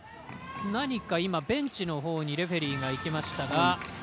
何かベンチのほうにレフェリーがいきましたが。